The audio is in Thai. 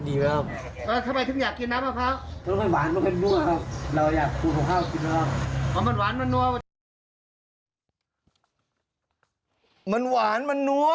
เหรอครับ